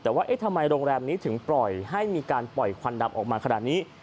แต่ว่าเอ๊ะทำไมโรงแรมนี้ถึงปล่อยให้มีการปล่อยควันดำออกมาขนาดนี้